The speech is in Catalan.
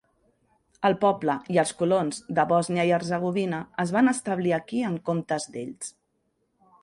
El poble i els colons de Bòsnia i Herzegovina es van establir aquí en comptes d'ells.